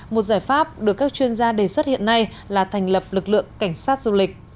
một giải pháp được các chuyên gia đề xuất hiện nay là thành lập lực lượng cảnh sát du lịch